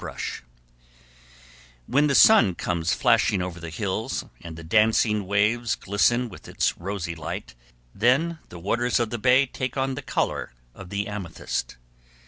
[Illustration: ITALIAN FISHING BOATS] When the sun comes flashing over the hills, and the dancing waves glisten with its rosy light, then the waters of the bay take on the color of the amethyst.